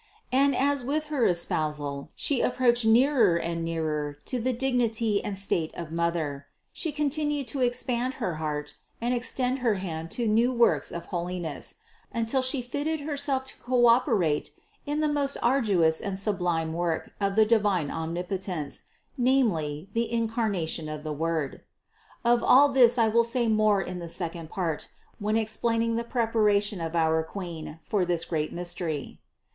And as with her espousal She approached nearer and nearer to the dignity and state of Mother, She continued to expand her heart and extend her hand to new works of holiness, until She fitted Herself to co operate in the most arduous and sublime work of the divine Omnip otence, namely the Incarnation of the Word. Of all this I will say more in the second part, when explaining the preparation of our Queen for this great mystery (Part II, 1 to 160).